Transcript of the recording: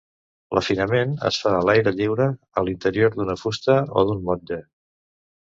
L'afinament es fa a l'aire lliure, a l'interior d'una fusta o d'un motlle.